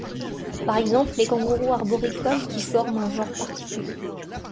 Par exemple les kangourous arboricoles, qui forment un genre particulier.